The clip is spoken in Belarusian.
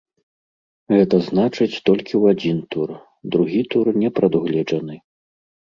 Гэта значыць, толькі ў адзін тур, другі тур не прадугледжаны.